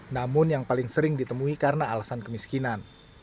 namun yang paling sering ditemui karena alasan kemiskinan